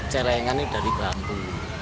celengan ini dari bambu